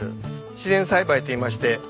自然栽培といいまして。